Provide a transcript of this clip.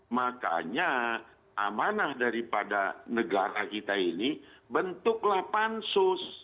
makanya amanah daripada negara kita ini bentuklah pansus